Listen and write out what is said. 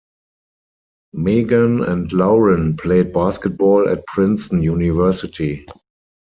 Meagan and Lauren played basketball at Princeton University.